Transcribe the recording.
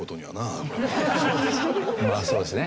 まあそうですね。